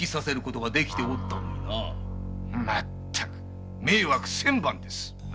まったく迷惑千万です！